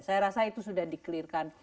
saya rasa itu sudah di clearkan